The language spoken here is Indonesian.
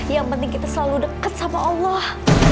yang penting kita selalu dekat sama allah